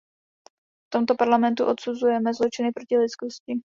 V tomto parlamentu odsuzujeme zločiny proti lidskosti.